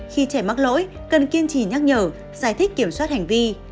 khi trẻ mắc lỗi cần kiên trì nhắc nhở giải thích kiểm soát hành vi